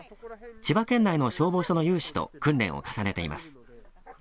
千葉県内の消防署の有志と訓練を重ねています。